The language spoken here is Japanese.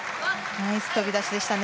ナイス飛び出しでしたね。